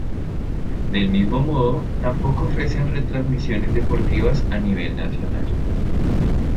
Del mismo modo, tampoco ofrece retransmisiones deportivas a nivel nacional.